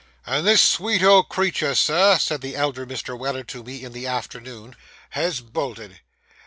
'And the sweet old creetur, sir,' said the elder Mr. Weller to me in the afternoon, 'has bolted.